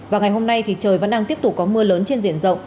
và ngày hôm nay thì trời vẫn đang tiếp tục có mưa lớn trên diện rộng